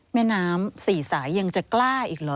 แม่น้ำสี่สายยังจะกล้าอีกเหรอ